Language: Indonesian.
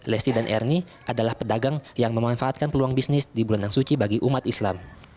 lesti dan ernie adalah pedagang yang memanfaatkan peluang bisnis di bulan yang suci bagi umat islam